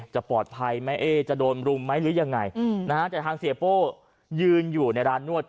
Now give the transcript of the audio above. จะปลอดภัยไหมเอ๊จะโดนรุมไหมหรือยังไงนะฮะแต่ทางเสียโป้ยืนอยู่ในร้านนวด